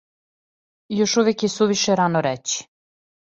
Још увек је сувише рано рећи.